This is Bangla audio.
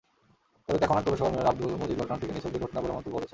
তবে কাঁকনহাট পৌরসভার মেয়র আবদুল মজিদ ঘটনাটিকে নিছক দুর্ঘটনা বলে মন্তব্য করেছেন।